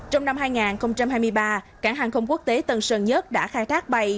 trong năm hai nghìn hai mươi ba cảng hàng không quốc tế tân sơn nhất đã khai thác bay